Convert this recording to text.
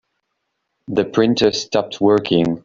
The printer stopped working.